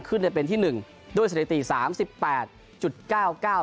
เป็นที่หนึ่งด้วยสถิติสามสิบแปดจุดเก้าเก้า